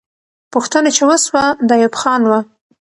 پوښتنه چې وسوه، د ایوب خان وه.